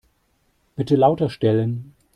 Bitte lauter stellen.